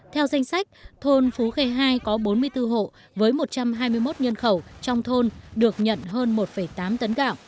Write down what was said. theo danh sách thôn phú khê hai có bốn mươi bốn hộ với một trăm hai mươi một nhân khẩu trong thôn được nhận hơn một tám tấn gạo